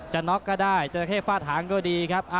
จะน็อกก็ได้จราเข้ฟาดหางก็ดีครับ